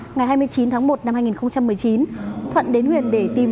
ngày hai mươi chín tháng một năm hai nghìn một mươi chín thuận đến huyện để tìm